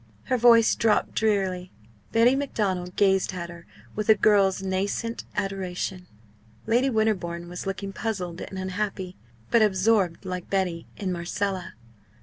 Her voice dropped drearily. Betty Macdonald gazed at her with a girl's nascent adoration. Lady Winterbourne was looking puzzled and unhappy, but absorbed like Betty in Marcella.